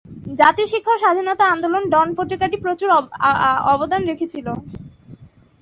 জাতীয় শিক্ষা ও স্বাধীনতা আন্দোলনে ডন পত্রিকাটি প্রচুর অবদান রেখেছিল।